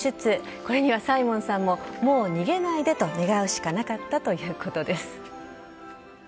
これにはサイモンさんも、もう逃げないでと願うしかなかったということです。